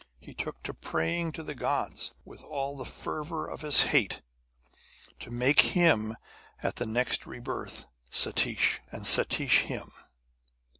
He took to praying to the gods, with all the fervour of his hate, to make him at the next rebirth Satish, and Satish him.